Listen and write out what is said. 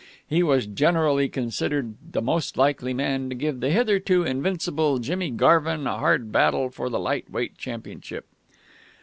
He was generally considered the most likely man to give the hitherto invincible Jimmy Garvin a hard battle for the light weight championship.